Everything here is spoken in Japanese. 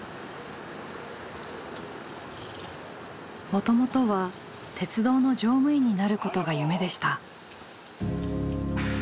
もともとは鉄道の乗務員になることが夢でした。